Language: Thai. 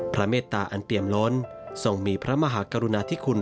เมตตาอันเปี่ยมล้นทรงมีพระมหากรุณาธิคุณ